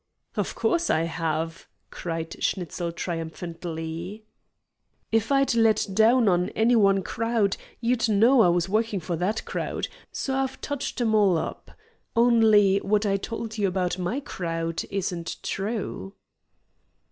"Of course, I have," cried Schnitzel triumphantly. "If I'd let down on any one crowd you'd know I was working for that crowd, so I've touched 'em all up. Only what I told you about my crowd isn't true."